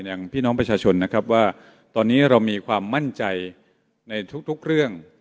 อย่างพี่น้องประชาชนนะครับว่าตอนนี้เรามีความมั่นใจในทุกทุกเรื่อง